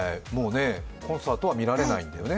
コンサートはもう見られないんだよね。